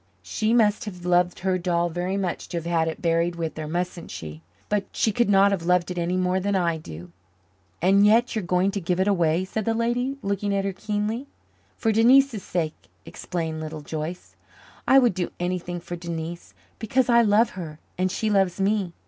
She must have loved her doll very much to have had it buried with her, mustn't she? But she could not have loved it any more than I do." "And yet you are going to give it away?" said the lady, looking at her keenly. "For Denise's sake," explained Little Joyce. "I would do anything for Denise because I love her and she loves me.